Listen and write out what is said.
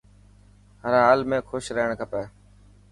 هر حال ۾ کوش رهڻ کپي.